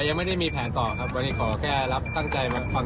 ยังไม่ได้มีแผนต่อครับวันนี้ขอแค่รับตั้งใจมาฟัง